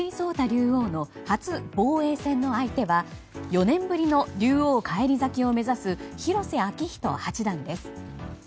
竜王の初防衛戦の相手は４年ぶりの竜王返り咲きを目指す広瀬章人八段です。